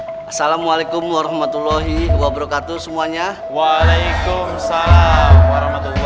terima kasih assalamualaikum warahmatullahi wabarakatuh semuanya waalaikumsalam warahmatullahi